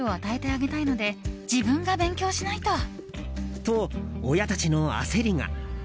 と親たちの焦りが。